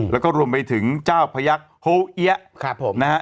แล้วก็รวมไปถึงเจ้าพระยักษ์โฮเอ๋ะ